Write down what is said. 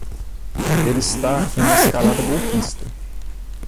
Ele está em uma escalada golpista